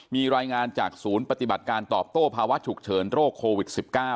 มีรายงานจากศูนย์ปฏิบัติการตอบโต้ภาวะฉุกเฉินโรคโควิด๑๙